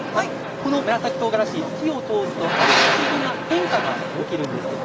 この紫とうがらし火を通すと不思議な変化が起きます。